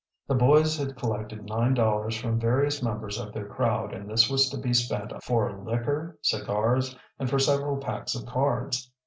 The boys had collected nine dollars from various members of their crowd and this was to be spent for liquor, cigars, and for several packs of cards.